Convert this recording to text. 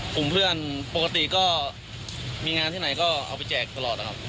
กลุ่มเพื่อนปกติก็มีงานที่ไหนก็เอาไปแจกตลอดนะครับ